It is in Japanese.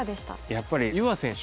やっぱりゆわ選手